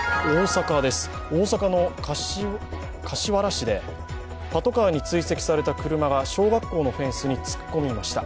大阪の柏原市でパトカーに追跡された車が小学校のフェンスに突っ込みました。